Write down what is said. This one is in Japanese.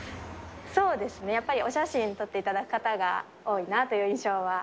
そうですね、やっぱりお写真に撮っていただく方が多いなという印象は。